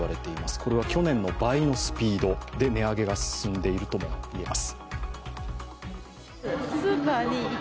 これは去年の倍のスピードで値上げが進んでいるともいえます。